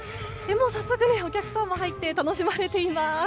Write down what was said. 早速、お客さんも入って楽しまれています。